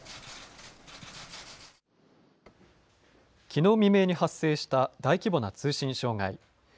きのう未明に発生した大規模な通信障害。